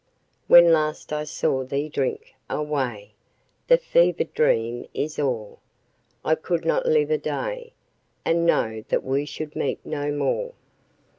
When last I saw thee drink! Away! the fevered dream is o'er; I could not live a day, and know that we should meet no more!